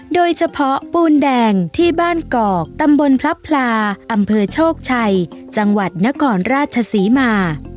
ปูนแดงที่บ้านกอกตำบลพลับพลาอำเภอโชคชัยจังหวัดนครราชศรีมา